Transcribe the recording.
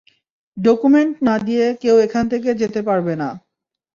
Document না দিয়ে কেউ এখান থেকে যেতে পারবে না।